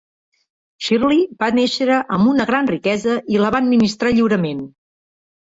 Shirley va néixer amb una gran riquesa i la va administrar lliurement.